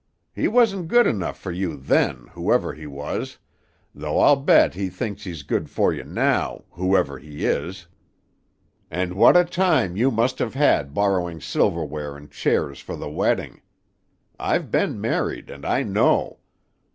He wasn't good enough for you then, whoever he was; though I'll bet he thinks he's too good for you now, whoever he is; and what a time you must have had borrowing silverware and chairs for the wedding! I've been married, and I know.